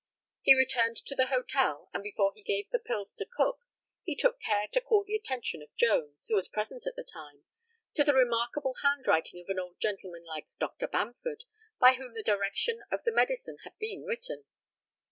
He returned to the hotel, and before he gave the pills to Cook he took care to call the attention of Jones, who was present at the time, to the remarkable handwriting of an old gentleman like Dr. Bamford, by whom the direction of the medicine had been written.